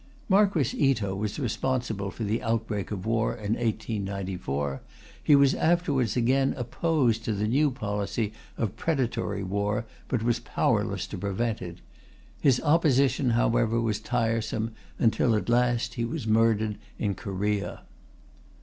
Marquis Ito was responsible for the outbreak of war in 1894. He was afterwards again opposed to the new policy of predatory war, but was powerless to prevent it. His opposition, however, was tiresome, until at last he was murdered in Korea.